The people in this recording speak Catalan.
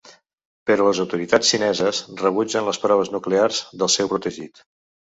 Però les autoritats xineses rebutgen les proves nuclears del seu protegit.